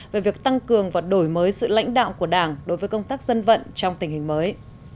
về việc tăng cường và đổi mới sự lãnh đạo của đảng đối với công tác dân vận trong tình hình mới